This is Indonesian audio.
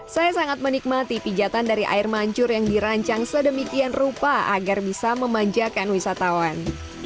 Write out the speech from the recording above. saya sangat menikmati pijatan dari air mancur yang dirancang sedemikian rupa agar bisa memanjakan wisatawan